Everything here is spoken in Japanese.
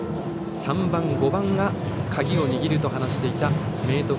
３番、５番が鍵を握ると話していた明徳